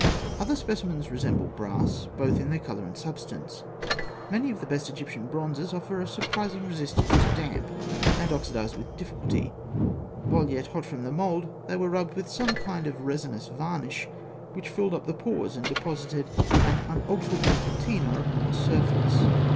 Other specimens resemble brass, both in their colour and substance. Many of the best Egyptian bronzes offer a surprising resistance to damp, and oxidise with difficulty. While yet hot from the mould, they were rubbed with some kind of resinous varnish which filled up the pores and deposited an unalterable patina upon the surface.